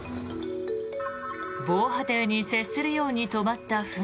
防波堤に接するように止まった船。